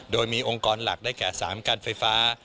โดยมีองค์กรหลักได้แก่๓การไฟฟ้า